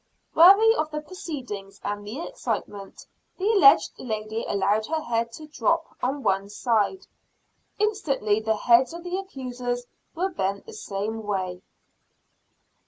Weary of the proceedings and the excitement, the aged lady allowed her head to droop on one side. Instantly the heads of the accusers were bent the same way.